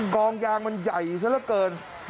กองยางมันใหญ่ซะละเกิน